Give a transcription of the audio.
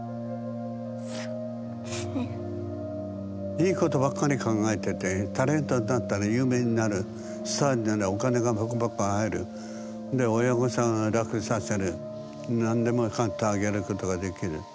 いいことばっかり考えててタレントになったら有名になるスターになるお金がバカバカ入るで親御さんを楽させる何でも買ってあげることができる。